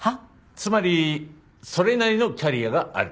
つまりそれなりのキャリアがある。